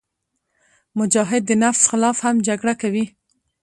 مجاهد د نفس خلاف هم جګړه کوي.